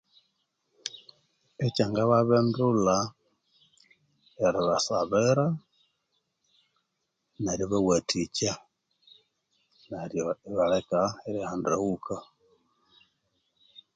Ekyangababindulha ryeri basabira neribawatikya ibalheka erihandaghuka